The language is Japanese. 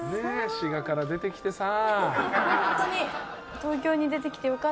滋賀から出てきてさ。